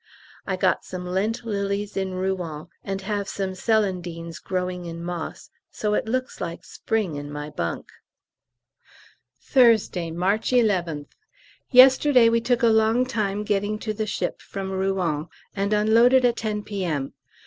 I got some Lent lilies in Rouen, and have some celandines growing in moss, so it looks like spring in my bunk. Thursday, March 11th. Yesterday we took a long time getting to the ship from R., and unloaded at 10 P.M.